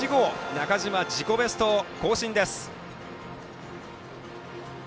中島、自己ベスト更新です。